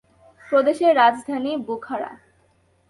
প্রদেশের রাজধানী বুখারা।